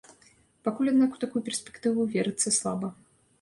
Пакуль, аднак, у такую перспектыву верыцца слаба.